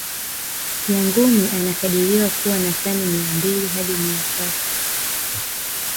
nyangumi anakadiriwa kuwa na tani mia mbili hadi mia tatu